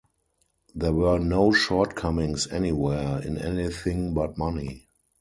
There were no shortcomings anywhere, in anything but money.